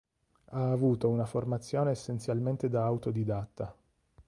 Ha avuto una formazione essenzialmente da autodidatta.